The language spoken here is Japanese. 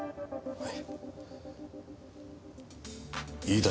はい。